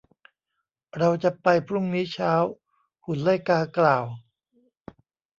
เราจะไปพรุ่งนี้เช้า หุ่นไล่กากล่าว